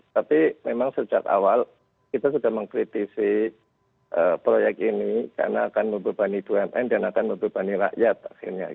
tapi memang sejak awal kita sudah mengkritisi proyek ini karena akan membebani bumn dan akan membebani rakyat akhirnya